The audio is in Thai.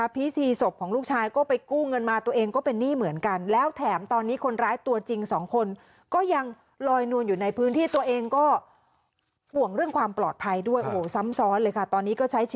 พระธิสศพของลูกชายก็ไปกู้เงินมาตัวเองก็เป็นหน้าเหมือนกัน